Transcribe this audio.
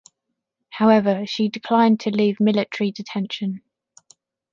However, she declined to leave military detention.